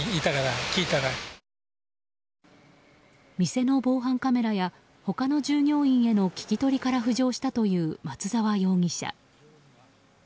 店の防犯カメラや他の従業員への聞き取りから浮上したという松沢容疑者。